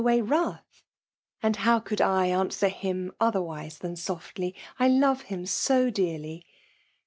Away wrath V and hdw boUld /t answe? him. otherwise than scrftly^^I l6v« him so dearly!